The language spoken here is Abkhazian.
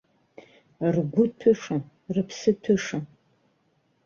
Ргәы ҭәышам, рыԥсы ҭәышам.